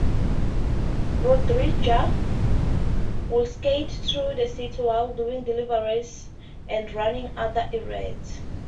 Rodriguez would skate through the city while doing deliveries and running other errands.